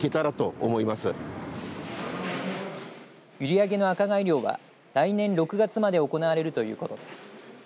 閖上のアカガイ漁は来年６月まで行われるということです。